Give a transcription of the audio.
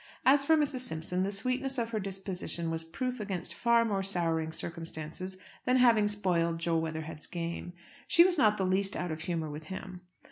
As for Mrs. Simpson, the sweetness of her disposition was proof against far more souring circumstances than having spoiled Jo Weatherhead's game. She was not the least out of humour with him.